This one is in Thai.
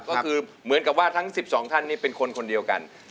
ก็คือเหมือนกับว่าทั้ง๑๒ท่านนี่เป็นคนคนเดียวกัน